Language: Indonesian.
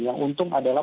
yang untung adalah